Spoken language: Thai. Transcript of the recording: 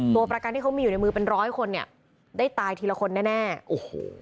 ตัวประกันที่เขามีอยู่ในมือเป็นร้อยคนเนี่ยได้ตายทีละคนแน่แน่โอ้โห